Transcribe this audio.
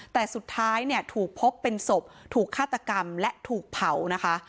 แต่สุดท้ายเนี่ยถูกพบเป็นศพถูกฆาตกรรมและถูกเผานะคะ